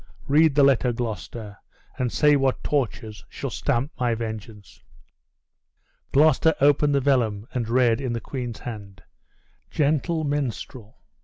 Read the letter, Gloucester, and say what tortures shall stamp my vengeance!" Gloucester opened the vellum, and read, in the queen's hand: "Gentle minstrel!